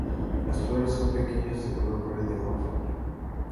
Las flores son pequeñas, de color verde o amarillo.